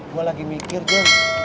gue lagi mikir jan